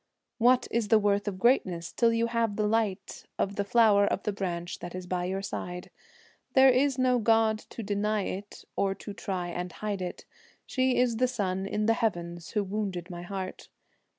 What is the worth of greatness till you have the light Of the flower of the branch that is by your side? There is no god to deny it or to try and hide it, She is the sun in the heavens who wounded my heart.